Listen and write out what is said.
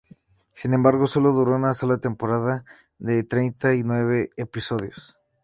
Sin embargo, sólo duró una sola temporada de treinta y nueve episodios.